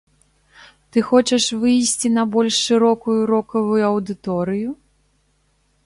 Ты хочаш выйсці на больш шырокую рокавую аўдыторыю?